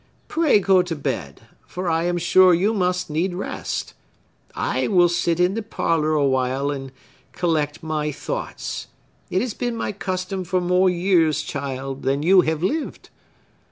Pray go to bed; for I am sure you must need rest. I will sit in the parlor awhile, and collect my thoughts. It has been my custom for more years, child, than you have lived!"